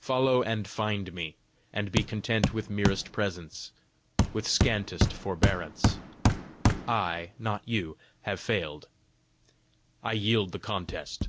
follow and find me, and be content with merest presence, with scantest forbearance! I, not you, have failed; I yield the contest."